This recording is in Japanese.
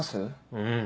うん。